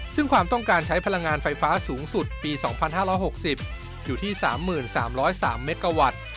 ซึ่งความต้องการใช้พลังงานไฟฟ้าสูงสุดปี๒๕๖๐อยู่ที่๓๓๐๓เมกาวัตต์